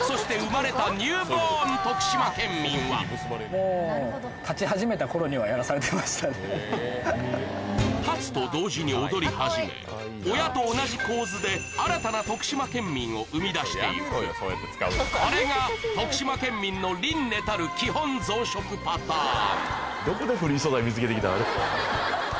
県民は立つと同時に踊り始め親と同じ構図で新たな徳島県民を生み出していくこれが徳島県民の輪廻たる基本増殖パターン